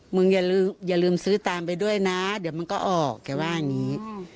อย่าลืมซื้อตามไปด้วยนะเดี๋ยวมันก็ออกแกว่าอย่างนี้